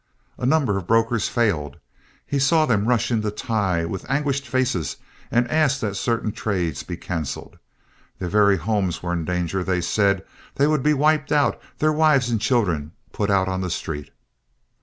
A number of brokers failed. He saw them rush in to Tighe with anguished faces and ask that certain trades be canceled. Their very homes were in danger, they said. They would be wiped out, their wives and children put out on the street.